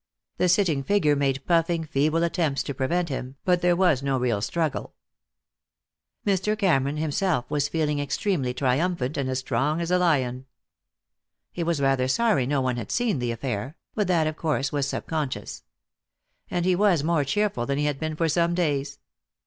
The sitting figure made puffing, feeble attempts to prevent him, but there was no real struggle. Mr. Cameron himself was feeling extremely triumphant and as strong as a lion. He was rather sorry no one had seen the affair, but that of course was sub conscious. And he was more cheerful than he had been for some days.